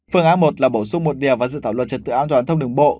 phương án một là bổ sung một điều và dự thảo luật trật tự an toàn thông đường bộ